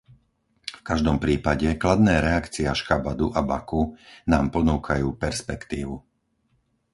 V každom prípade kladné reakcie Ašchabadu a Baku nám ponúkajú perspektívu.